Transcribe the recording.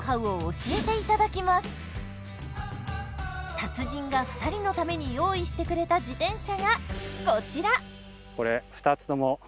達人が２人のために用意してくれた自転車がこちら。